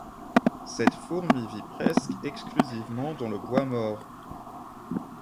Cette fourmi vit presque exclusivement dans le bois mort.